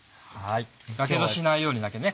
やけどしないようにだけね